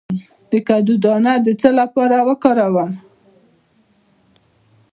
د کدو دانه د څه لپاره وکاروم؟